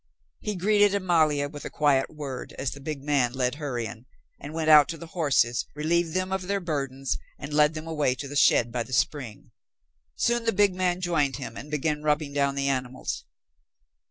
He greeted Amalia with a quiet word as the big man led her in, and went out to the horses, relieved them of their burdens, and led them away to the shed by the spring. Soon the big man joined him, and began rubbing down the animals.